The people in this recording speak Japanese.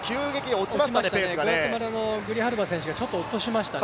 グアテマラのグリハルバ選手が少し落ちましたね。